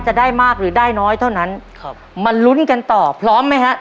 จะได้มากหรือได้น้อยเท่านั้นครับมาลุ้นกันต่อพร้อมไหมฮะ